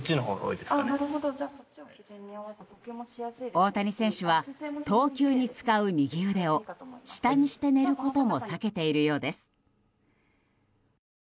大谷選手は投球で使う右腕を下にして寝ることも避けているようです。